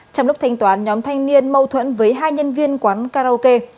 trong lúc thanh toán nhóm thanh niên mâu thuẫn với hai nhân viên quán karaoke